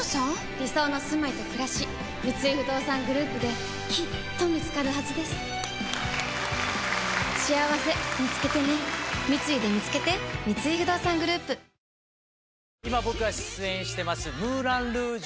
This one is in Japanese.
理想のすまいとくらし三井不動産グループできっと見つかるはずですしあわせみつけてね三井でみつけて今僕が出演してます『ムーラン・ルージュ！